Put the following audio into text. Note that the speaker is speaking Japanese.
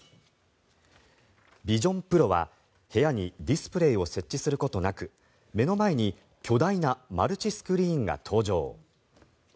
ＶｉｓｉｏｎＰｒｏは部屋にディスプレーを設置することなく目の前に巨大なマルチスクリーンが登場。